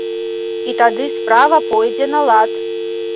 І тады справа пойдзе на лад.